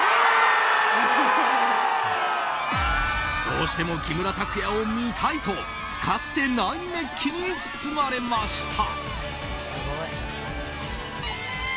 どうしても木村拓哉を見たいとかつてない熱気に包まれました。